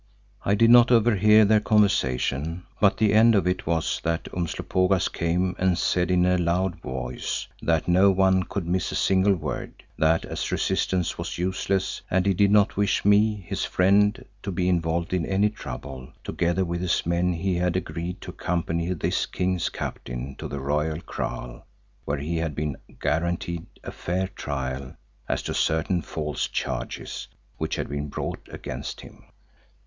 I did not overhear their conversation, but the end of it was that Umslopogaas came and said in a loud voice so that no one could miss a single word, that as resistance was useless and he did not wish me, his friend, to be involved in any trouble, together with his men he had agreed to accompany this King's captain to the royal kraal where he had been guaranteed a fair trial as to certain false charges which had been brought against him.